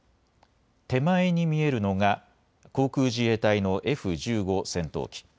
手前に見えるのが航空自衛隊のＦ１５戦闘機。